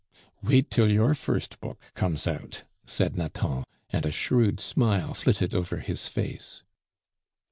"Wait till your first book comes out," said Nathan, and a shrewd smile flitted over his face.